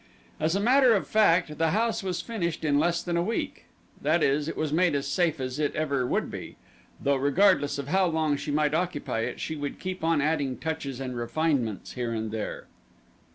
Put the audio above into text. As a matter of fact the house was finished in less than a week that is, it was made as safe as it ever would be, though regardless of how long she might occupy it she would keep on adding touches and refinements here and there.